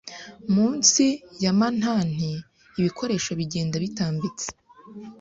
Munsi ya mantanti ibikoresho bigenda bitambitse